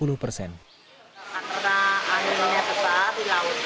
antara anginnya cepat di lautnya cuaca juga buruk